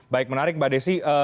baik menarik mbak desi